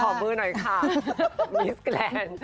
มือหน่อยค่ะมิสแกรนด์